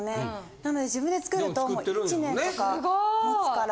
なので自分で作ると１年とか持つから。